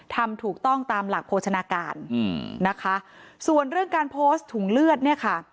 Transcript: ทำถูกต้องตามหลักโภชนาการอืมนะคะส่วนเรื่องการโพสต์ถุงเลือดเนี่ยค่ะ